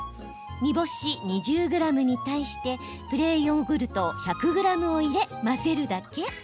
煮干し２０ｇに対してプレーンヨーグルト１００ｇを入れ、混ぜるだけ。